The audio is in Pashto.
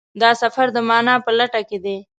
دا سفر د مانا په لټه کې دی.